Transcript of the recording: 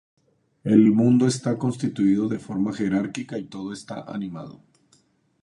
El mundo está constituido de forma jerárquica y todo está animado.